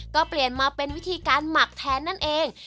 ก็เปลี่ยนมาเป็นวิธีการหมักแทนนั่นเอง